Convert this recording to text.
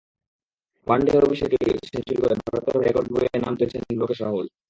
One day অভিষেকেই century করে ভারতের হয়ে রেকর্ড বইয়ে নাম তুলেছেন লোকেশ রাহুল।